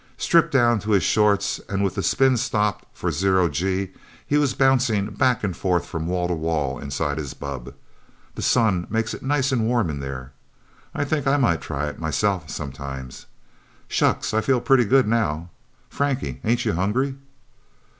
Stripped down to his shorts, and with the spin stopped for zero G, he was bouncing back and forth from wall to wall inside his bubb! The sun makes it nice and warm in there. Think I might try it, myself, sometime. Shucks, I feel pretty good, now... Frankie, ain't you hungry?"